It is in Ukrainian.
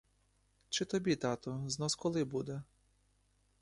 Чи тобі, тату, знос коли буде?